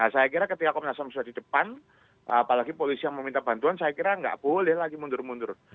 saya kira ketika komnas ham sudah di depan apalagi polisi yang meminta bantuan saya kira nggak boleh lagi mundur mundur